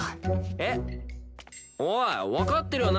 えっ？おいわかってるよな？